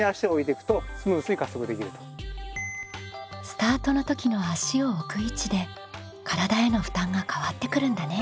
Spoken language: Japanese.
スタートの時の足を置く位置で体への負担が変わってくるんだね。